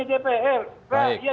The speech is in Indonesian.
yang rugi pun akan rugi